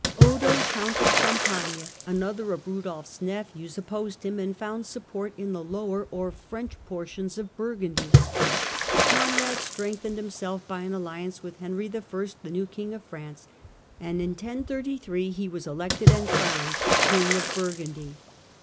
Odo, Count of Champagne, another of Rudolfs nephews, opposed him, and found support in the lower or French portions of Burgundy. Conrad strengthened himself by an alliance with Henry I., tlie new King of France, and in 1033 he was elected and crowned King of Burgundy.